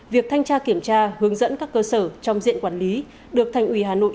việc thanh tra kiểm tra hướng dẫn các cơ sở trong diện quản lý được thành ủy hà nội